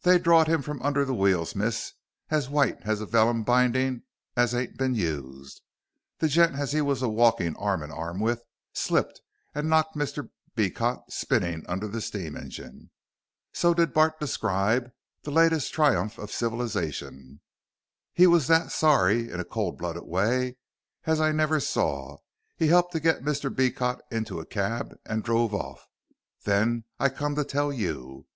"They drawed him from under the wheels, miss, as white as a vellum binding as ain't bin used. That gent as he was a walking arm in arm with, slipped and knocked Mr. Beecot spinning under the steam engine." So did Bart describe the latest triumph of civilisation. "He was that sorry, in a cold blooded way, as I never saw. He helped to git Mr. Beecot into a cab and druve off. Then I come to tell you."